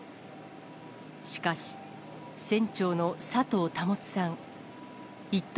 しかし、船長の佐藤保さん、一等